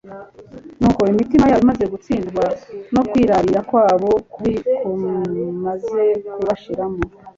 Nuko imitima yabo imaze gutsindwa no kwirarira kwabo kubi kumaze kubashiramo,